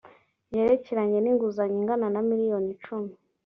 yerekeranye n’inguzanyo ingana na miliyoni cumi